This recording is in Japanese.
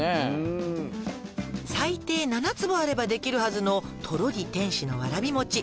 「最低７坪あればできるはずのとろり天使のわらびもち」